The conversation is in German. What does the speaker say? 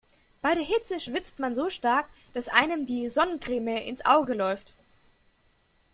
Bei der Hitze schwitzt man so stark, dass einem die Sonnencreme ins Auge läuft.